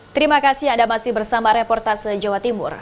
terima kasih anda masih bersama reportase jawa timur